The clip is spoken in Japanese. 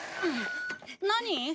何？